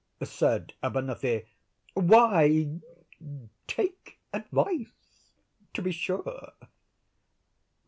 said Abernethy, 'why, take advice, to be sure.